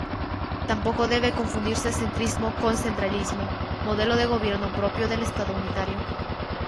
Tampoco debe confundirse centrismo con centralismo, modelo de gobierno propio del estado unitario.